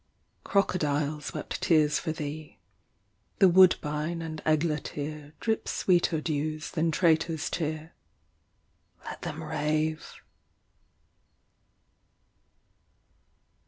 4 Crocodiles wept tears for thee; The woodbine and eglatere Drip sweeter dews than traitor’s tear. Let them rave.